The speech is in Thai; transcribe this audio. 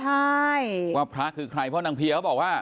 ใช่ว่าพระคือใครเพราะนางเพียเขาบอกว่า